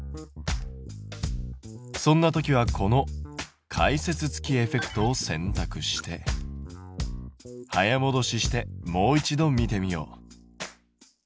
そんな時はこの解説付きエフェクトを選択して早もどししてもう一度見てみよう。